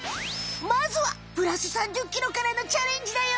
まずは＋３０ｋｇからのチャレンジだよ！